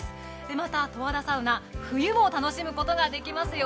また、十和田サウナ、冬も楽しむことができますよ。